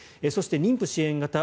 そして妊婦支援型